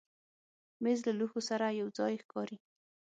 مېز له لوښو سره یو ځای ښکاري.